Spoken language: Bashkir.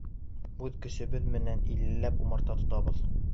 Үҙ көсөбөҙ менән иллеләп умарта тотабыҙ.